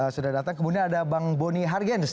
sudah datang kemudian ada bang boni hargenes